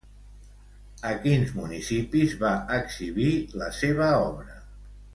A quins municipis va exhibir la seva obra?